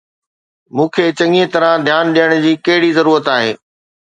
مون کي چڱيءَ طرح ڌيان ڏيڻ جي ڪهڙي ضرورت آهي؟